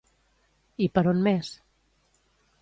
I per on més?